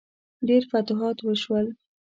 ډیر فتوحات وشول.